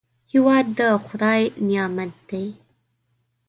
هېواد د خدای نعمت دی